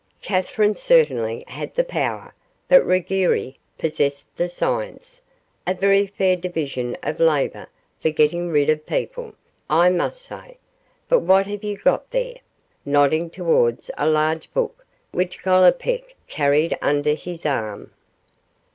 Catherine certainly had the power, but Ruggieri possessed the science a very fair division of labour for getting rid of people, I must say but what have you got there?' nodding towards a large book which Gollipeck carried under his arm.